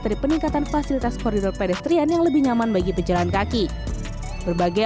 dari peningkatan fasilitas koridor pedestrian yang lebih nyaman bagi pejalan kaki berbagai